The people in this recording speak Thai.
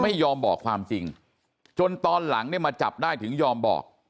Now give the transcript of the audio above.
ไม่ยอมบอกความจริงจนตอนหลังเนี่ยมาจับได้ถึงยอมบอก